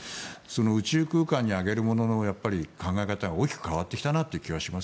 宇宙空間に上げるものの考え方が大きく変わってきたなという感じがします。